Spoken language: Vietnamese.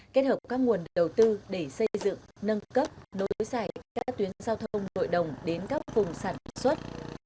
kết hợp các nguồn đầu tư để xây dựng nâng cấp nối giải các tuyến giao thông nội đồng đến các vùng sản xuất